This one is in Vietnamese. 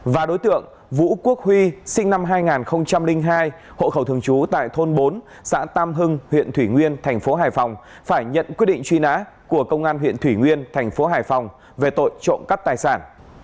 và đối tượng vũ quốc huy sinh năm hai nghìn hai hộ khẩu thường trú tại thôn bốn xã tam hưng huyện thủy nguyên thành phố hải phòng phải nhận quyết định truy nã của công an huyện thủy nguyên thành phố hải phòng về tội trộm cắt tài sản